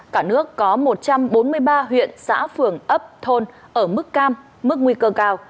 cả nước có một trăm bốn mươi ba huyện xã phường ấp thôn ở mức cam mức nguy cơ cao